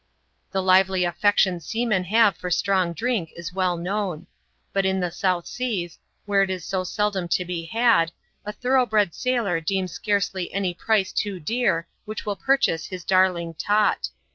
The lively affection seamen have for strong drink is well known ; but in the South Seas, where it Is so seldom to be h^, a thorough bred sailor deems scarcely any price too dear which will purchase his darling ''tot."